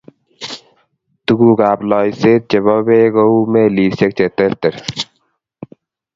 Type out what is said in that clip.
Tuguukab loiseet chebo beek kou melisyek cheterter.